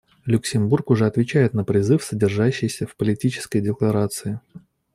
Люксембург уже отвечает на призыв, содержащийся в Политической декларации.